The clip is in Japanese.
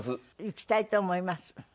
行きたいと思います。